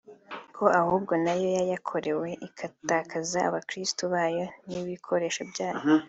ko ahubwo nayo yayakorewe itakaza abakristu bayo n’ibikoreshjo byabo